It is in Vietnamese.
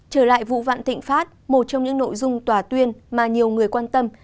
trở lại vụ vạn thịnh pháp một trong những nội dung tòa tuyên mà nhiều người quan tâm